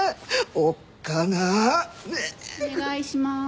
お願いします。